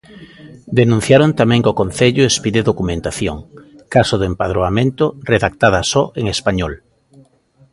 Denunciaron tamén que o Concello expide documentación, caso do empadroamento, redactada só en español.